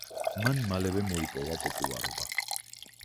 მან მალევე მოიპოვა პოპულარობა.